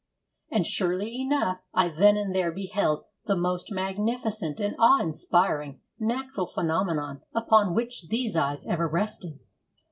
And surely enough, I then and there beheld the most magnificent and awe inspiring natural phenomenon upon which these eyes ever rested.